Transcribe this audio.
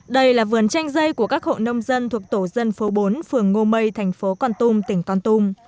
đây là vườn chanh dây của các hộ nông dân thuộc tổ dân phố bốn phường ngô mây thành phố con tum tỉnh con tum